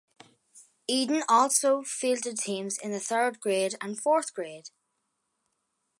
Eden also fielded teams in the third grade and fourth grade.